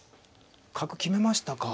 角決めましたか。